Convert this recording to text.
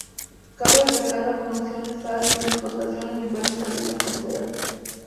Cabe destacar la producción de sal y su explotación en diversas salinas costeras.